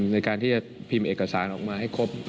ในการที่จะพิมพ์เอกสารออกมาให้ครบ